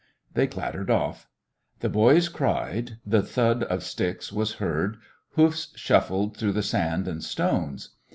They clattered off. The boys cried; the thud of sticks was heard; hoofs shuffled through the sand and stones.